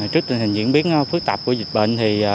trước tình hình diễn biến phức tạp của dịch bệnh